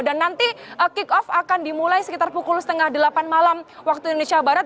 nanti kick off akan dimulai sekitar pukul setengah delapan malam waktu indonesia barat